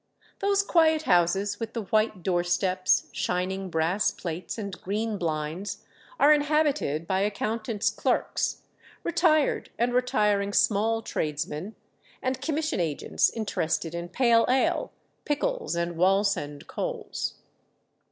Those quiet houses with the white door steps, shining brass plates and green blinds, are inhabited by accountants' clerks, retired and retiring small tradesmen, and commission agents interested in pale ale, pickles, and Wallsend coals.